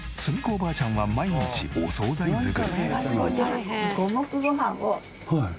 おばあちゃんは毎日お惣菜作り。